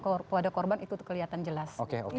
kepada korban itu kelihatan jelas